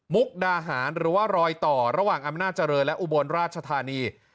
ดาหารหรือว่ารอยต่อระหว่างอำนาจเจริญและอุบลราชธานี